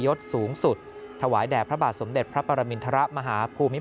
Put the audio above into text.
ยศสูงสุดถวายแด่พระบาทสมเด็จพระปรมินทรมาฮภูมิ